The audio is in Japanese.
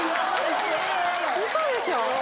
ウソでしょ？